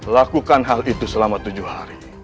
lakukan hal itu selama tujuh hari